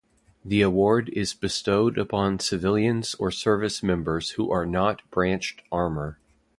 The award is bestowed upon civilians or service members who are not branched armor.